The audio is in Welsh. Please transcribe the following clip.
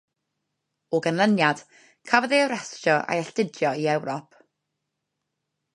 O ganlyniad, cafodd ei arestio a'i alltudio i Ewrop.